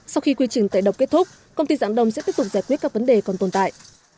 sau khi quy trình tẩy độc kết thúc công ty dạng đông sẽ tiếp tục giải quyết các vấn đề còn tồn tại